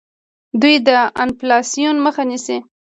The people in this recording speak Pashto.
دوی د انفلاسیون مخه نیسي.